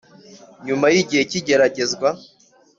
nyuma yi gihe cy’igeragezwa